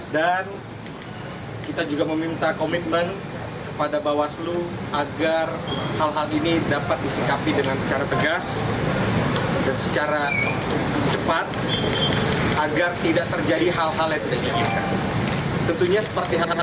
dan kita juga meminta komitmen kepada bawaslu agar hal hal ini dapat disikapi dengan secara tegas dan secara cepat agar tidak terjadi hal hal yang tidak diinginkan